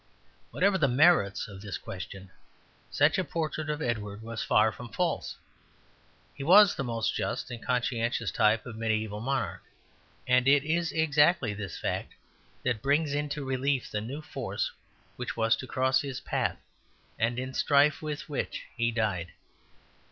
Whatever the merits of this question, such a portrait of Edward was far from false. He was the most just and conscientious type of mediæval monarch; and it is exactly this fact that brings into relief the new force which was to cross his path and in strife with which he died.